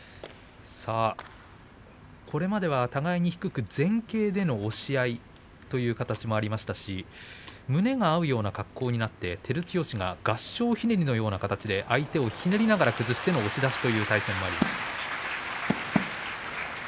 これまでは互いに低く前傾での押し合いという形がありましたし胸が合うような格好になって照強が合掌ひねりのような形で相手をひねりながらの押し出しもありました。